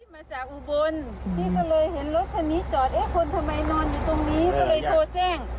มาจากอุบลที่ก็เลยเห็นรถคันนี้จอดเอ๊ะคนทำไมนอนอยู่ตรงนี้